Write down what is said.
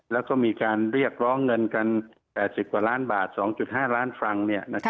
แล้วก็มีการเรียกร้องเงินกัน๘๐กว่าล้านบาท๒๕ล้านฟรัง